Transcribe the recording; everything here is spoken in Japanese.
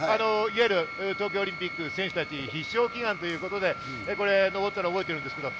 東京オリンピック、選手たち必勝祈願ということで登ったのを覚えています。